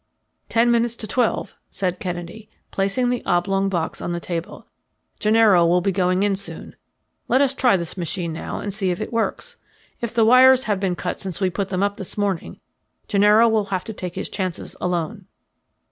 "Ten minutes to twelve," said Kennedy, placing the oblong box on the table. "Gennaro will be going in soon. Let us try this machine now and see if it works. If the wires have been cut since we put them up this morning Gennaro will have to take his chances alone."